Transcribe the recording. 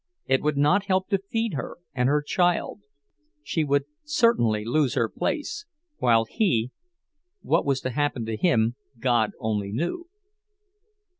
It would not help to feed her and her child; she would certainly lose her place, while he—what was to happen to him God only knew.